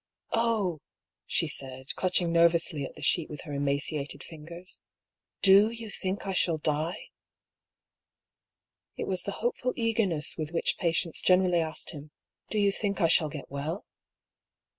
" Oh !" she said, clutching nervously at the sheet with her emaciated fingers, "rfo you think I shall die?" It was the hopeful eagerness with which patients generally asked him, " Do you think I shall get well